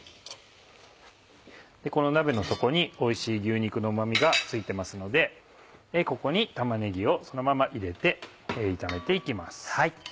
この鍋の底においしい牛肉のうま味がついてますのでここに玉ねぎをそのまま入れて炒めて行きます。